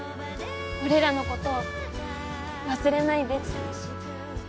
俺らのこと忘れないで。